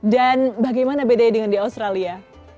dan bagaimana bedanya dengan di australia